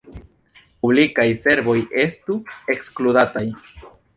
Publikaj servoj estu ekskludataj.